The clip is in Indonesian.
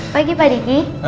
pagi pak diki